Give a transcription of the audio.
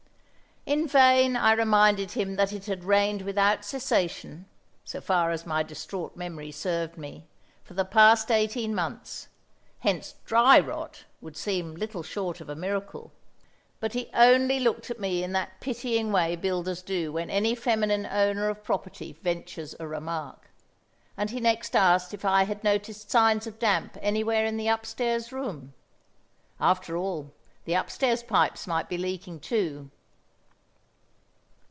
In vain I reminded him that it had rained without cessation—so far as my distraught memory served me—for the past eighteen months, hence dry rot would seem little short of a miracle. But he only looked at me in that pitying way builders do when any feminine owner of property ventures a remark; and he next asked if I had noticed signs of damp anywhere in the upstairs room? After all, the upstairs pipes might be leaking too.